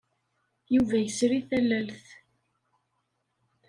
Yuba yesri tallalt.